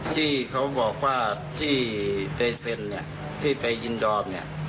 ที่เขาบอกว่าที่ไปเซ็นเนี่ยที่ไปยินยอมเนี่ย